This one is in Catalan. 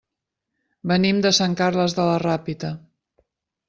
Venim de Sant Carles de la Ràpita.